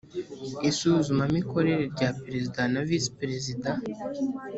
isuzumamikorere rya perezida na visi perezida